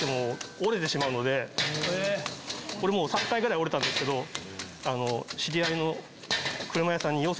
これもう３回ぐらい折れたんですけど知り合いの。